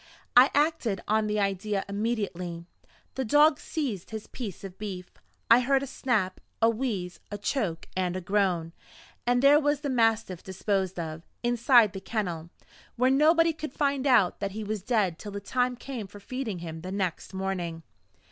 I acted on the idea immediately; the dog seized his piece of beef; I heard a snap, a wheeze, a choke, and a groan and there was the mastiff disposed of, inside the kennel, where nobody could find out that he was dead till the time came for feeding him the next morning.